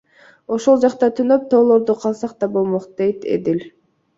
Ошол жакта түнөп, тоолордо калсак да болмок, — дейт Эдил.